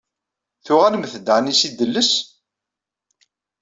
Tuɣalemt-d ɛni seg Delles?